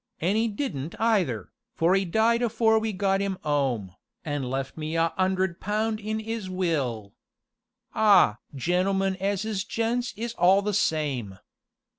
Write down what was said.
An' 'e didn't either, for 'e died afore we got 'im 'ome, an' left me a 'undred pound in 'is will. Ah! gentlemen as is gents is all the same.